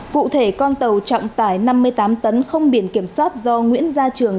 cụ thể con tàu trọng tải năm mươi tám tấn không biển kiểm soát do nguyễn gia trường